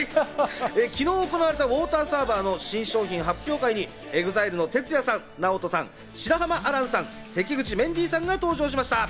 昨日行われたウォーターサーバーの新商品発表会にＥＸＩＬＥのＴＥＴＳＵＹＡさん、ＮＡＯＴＯさん、白濱亜嵐さん、関口メンディーさんが登場しました。